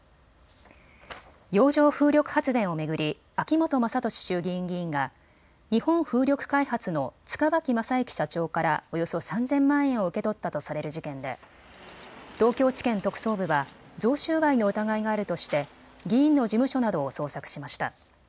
洋上風力発電を巡り秋本真利衆議院議員が日本風力開発の塚脇正幸社長からおよそ３０００万円を受け取ったとされる事件で東京地検特捜部は贈収賄の疑いがあるとして議員の事務所などを捜索しました。